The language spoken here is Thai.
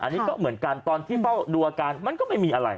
อันนี้ก็เหมือนกันตอนที่เฝ้าดูอาการมันก็ไม่มีอะไร